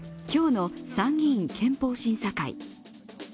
今日の参議院憲法審査会。